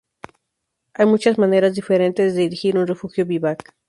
Hay muchas maneras diferentes de erigir un refugio vivac.